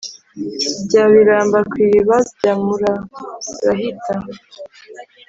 bya biramba kw’iriba bya murarahita*,